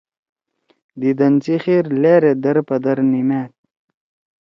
دیدن سی خیر لأرے درپدر نیِماد